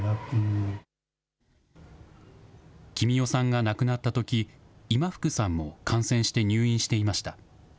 キミヨさんが亡くなったとき、今福さんも感染して入院していました。